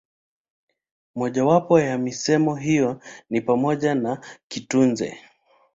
Moja wapo ya misemo hiyo ni pamoja na kitunze